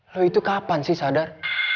lalu itu kapan sih sadar